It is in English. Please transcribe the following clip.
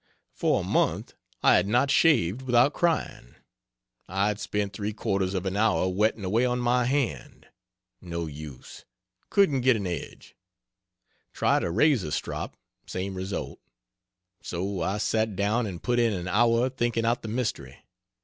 For a months I had not shaved without crying. I'd spend 3/4 of an hour whetting away on my hand no use, couldn't get an edge. Tried a razor strop same result. So I sat down and put in an hour thinking out the mystery.